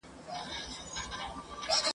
کړه یې وا لکه ګره د تورو زلفو !.